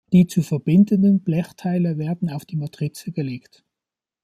Die zu verbindenden Blechteile werden auf die Matrize gelegt.